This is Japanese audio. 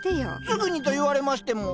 すぐにと言われましても。